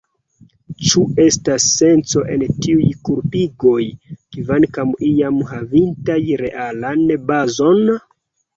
Ĉu estas senco en tiuj kulpigoj, kvankam iam havintaj realan bazon?